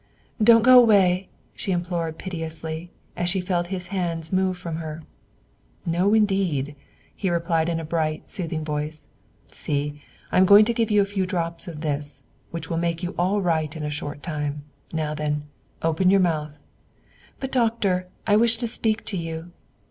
"Don't go away!" she implored piteously, as she felt his hands move from her. "No, indeed," he replied in a bright, soothing voice; "see, I am going to give you a few drops of this, which will make you all right in a short time. Now then, open your mouth." "But, Doctor, I wish to speak to you."